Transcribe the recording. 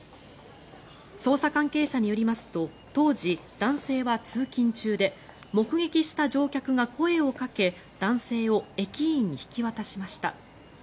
捜査関係者によりますと当時、男性は通勤中で目撃した乗客が声をかけ男性を駅員に引き渡しました。